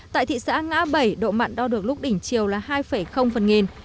tại thị xã ngã bảy độ mặn đo được lúc đỉnh chiều là hai phần nghìn